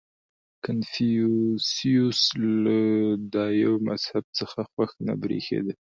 • کنفوسیوس له دایو مذهب څخه خوښ نه برېښېده.